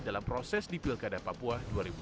dalam proses di pilkada papua dua ribu delapan belas